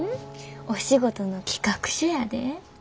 お仕事の企画書やで。